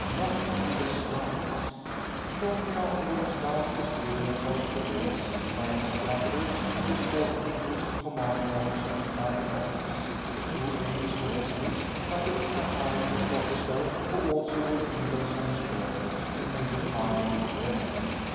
Not in the slightest. Shortly afterwards, Lance was driven across the base by his captors and escorted into his commanding officer's private office. The two aides were dismissed, but the psychiatrist officer, who also wore eagles on his shoulders, and Major Carmody remained.